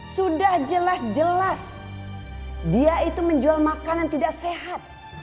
sudah jelas jelas dia itu menjual makanan tidak sehat